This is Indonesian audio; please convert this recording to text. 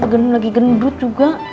gendut lagi gendut juga